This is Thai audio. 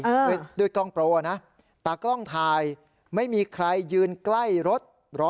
คือกล้องโปรโน่นะตากล้องถ่ายไม่มีใครยืนใกล้รถ๑๐๐